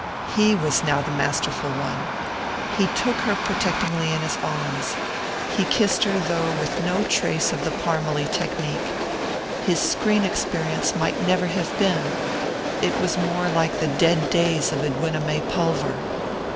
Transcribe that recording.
He was now the masterful one. He took her protectingly in his arms. He kissed her though with no trace of the Parmalee technique. His screen experience might never have been. It was more like the dead days of Edwina May Pulver.